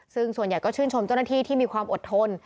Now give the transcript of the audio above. ซึ่งส่วนใหญ่ก็ชื่นชมเจ้าหน้าที่ที่มีความอดทน